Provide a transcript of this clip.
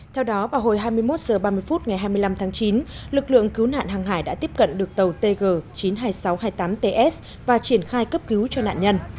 theo đó vào hồi hai mươi một h ba mươi phút ngày hai mươi năm tháng chín lực lượng cứu nạn hàng hải đã tiếp cận được tàu tg chín mươi hai nghìn sáu trăm hai mươi tám ts và triển khai cấp cứu cho nạn nhân